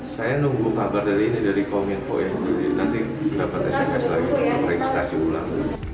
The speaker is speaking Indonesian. saya nunggu kabar dari ini dari kominfo ya nanti dapat sms lagi untuk registrasi ulang